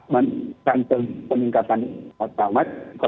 menurut saya peningkatan otomatik